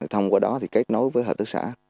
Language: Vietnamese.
thông qua đó thì kết nối với hợp tác xã